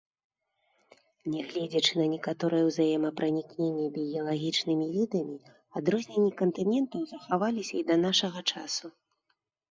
Негледзячы на некаторае узаемапранікненне біялагічнымі відамі, адрозненні кантынентаў захаваліся і да нашага часу.